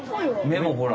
めもほら。